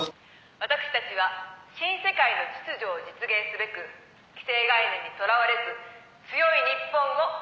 「私たちは新世界の秩序を実現すべく既成概念にとらわれず強い日本を実現致します」